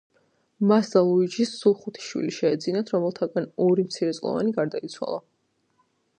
მას და ლუიჯის სულ ხუთი შვილი შეეძინათ, რომელთაგან ორი მცირეწლოვანი გარდაიცვალა.